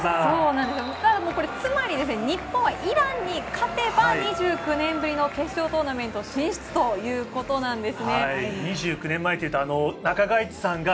ただ、これつまり日本はイランに勝てば２９年ぶりの決勝トーナメント進出ということなんです。